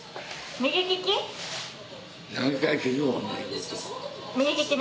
右利きね。